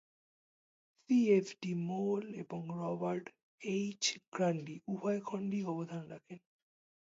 C. F. D. Moule এবং Robert H. Grundy উভয় খণ্ডেই অবদান রাখেন।